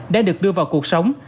đã được đưa vào cuộc sống